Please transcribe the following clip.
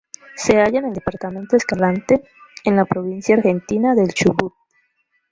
Se halla en el departamento Escalante, en la provincia argentina del Chubut.